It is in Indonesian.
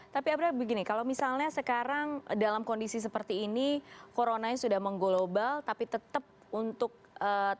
tapi apra begini kalau misalnya sekarang dalam kondisi seperti ini coronanya sudah mengglobal tapi tetap untuk target wc